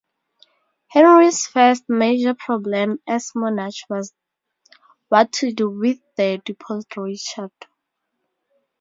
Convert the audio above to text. Henry's first major problem as monarch was what to do with the deposed Richard.